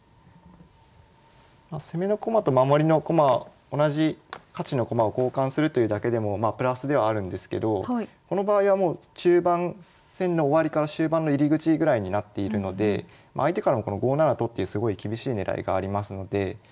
攻めの駒と守りの駒同じ価値の駒を交換するというだけでもプラスではあるんですけどこの場合はもう中盤戦の終わりから終盤の入り口ぐらいになっているので相手からもこの５七と金っていうすごい厳しい狙いがありますので。